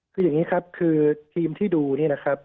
คืออย่างนี้ครับคือทีมที่ดูนี่นะครับ